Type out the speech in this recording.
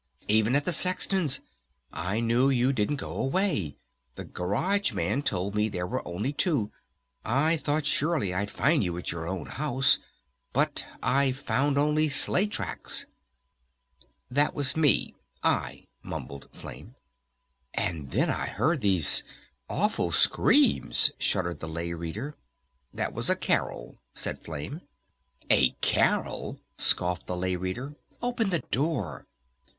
Even at the Sexton's! I knew you didn't go away! The Garage Man told me there were only two! I thought surely I'd find you at your own house. But I only found sled tracks." "That was me, I," mumbled Flame. "And then I heard these awful screams," shuddered the Lay Reader. "That was a Carol," said Flame. "A Carol?" scoffed the Lay Reader. "Open the door!"